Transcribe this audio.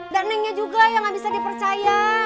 dan nengnya juga ya gak bisa dipercaya